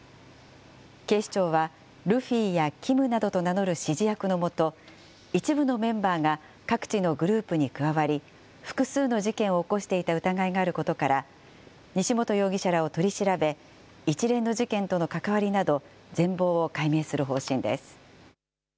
警視庁は、ルフィやキムなどと名乗る指示役のもと、一部のメンバーが各地のグループに加わり、複数の事件を起こしていた疑いがあることから、西本容疑者らを取り調べ、一連の事件との関わりなど、全貌を解明する方針です。